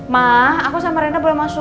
ma aku sama rena boleh masuk